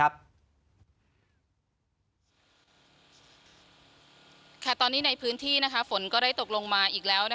ตอนนี้ในพื้นที่ฝนก็ได้ตกลงมาอีกแล้ว